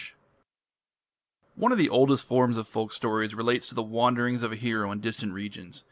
One of the oldest forms of folk stories relates to the wanderings of a hero in distant regions.